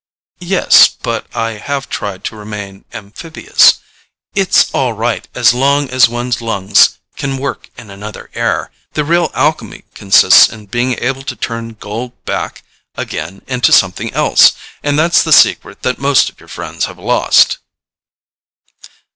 "Yes; but I have tried to remain amphibious: it's all right as long as one's lungs can work in another air. The real alchemy consists in being able to turn gold back again into something else; and that's the secret that most of your friends have lost."